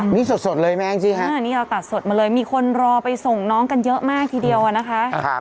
นี่สดเลยแมงสิฮะนี่เราตัดสดมาเลยมีคนรอไปส่งน้องกันเยอะมากทีเดียวอะนะคะ